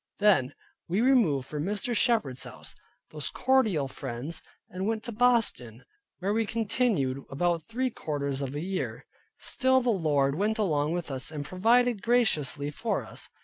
Then we removed from Mr. Shepard's, those cordial friends, and went to Boston, where we continued about three quarters of a year. Still the Lord went along with us, and provided graciously for us.